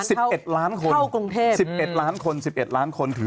ที่เมื่อระหว่างว่ายุ่ง